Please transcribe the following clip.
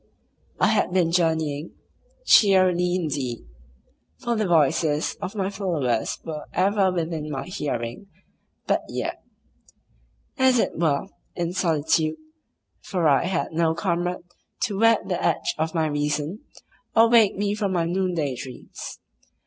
I had been journeying (cheerily indeed, for the voices of my followers were ever within my hearing, but yet), as it were, in solitude, for I had no comrade to whet the edge of my reason, or wake me from my noonday dreams.